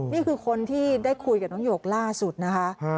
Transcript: นี่คือคนที่ได้คุยกับน้องหยกล่าสุดนะคะ